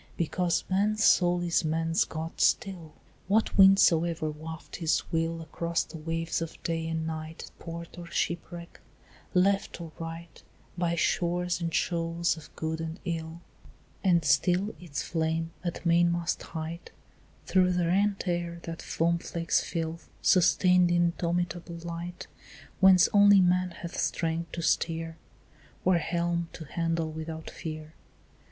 Because man's soul is man's God still, What wind soever waft his will Across the waves of day and night To port or shipwreck, left or right, By shores and shoals of good and ill; And still its flame at mainmast height Through the rent air that foam flakes fill Sustains the indomitable light Whence only man hath strength to steer Or helm to handle without fear.